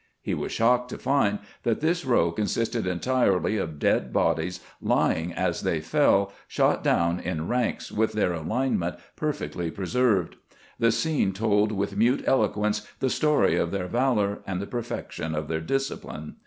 He was shocked to find that this row consisted entirely of dead bodies lying as they fell, shot down in ranks with their alinement perfectly preserved. The scene told with mute eloquence the story of their valor and the perfection of their discipline.